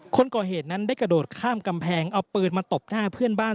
คนก่อเหตุนั้นได้กระโดดข้ามกำแพงเอาปืนมาตบหน้าเพื่อนบ้าน